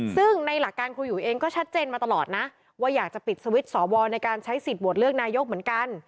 ซึ่งในหลักการครูหยุเองก็ชัดเจนมาตลอดนะว่าอยากจะปิดสวิตช์สอวรในการใช้สิทธิ์โหวตเลือกนายกเหมือนกัน